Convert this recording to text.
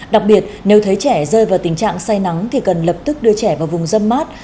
đặc biệt nếu thấy trẻ rơi vào tình trạng say nắng thì cần lập tức đưa trẻ vào vùng dâm mát